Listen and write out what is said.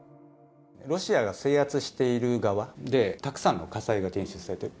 ロシアが制圧している側で、たくさんの火災が検出されてる。